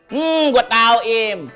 hmm gua tau im